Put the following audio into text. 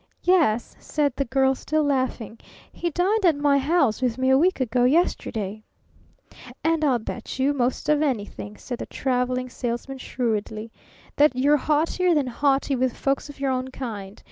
"Yes," said the Girl, still laughing. "He dined at my house with me a week ago yesterday." "And I'll bet you, most of anything," said the Traveling Salesman shrewdly, "that you're haughtier than haughty with folks of your own kind.